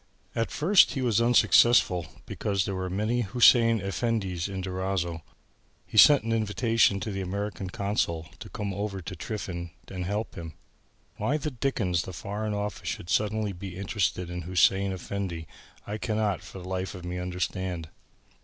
At first he was unsuccessful because there were many Hussein Effendis in Durazzo. He sent an invitation to the American Consul to come over to tiffin and help him. "Why the dickens the Foreign Office should suddenly be interested in Hussein Effendi, I cannot for the life of me understand."